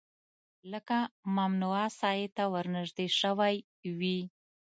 لکه ممنوعه ساحې ته ورنژدې شوی وي